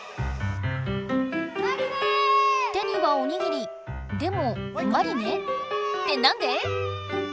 手にはおにぎりでもマリネってなんで⁉